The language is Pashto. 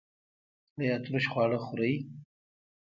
ایا ترش خواړه خورئ؟